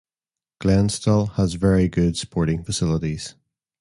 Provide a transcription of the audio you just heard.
Glenstal has very good sporting facilities.